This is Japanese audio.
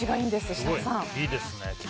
設楽さん。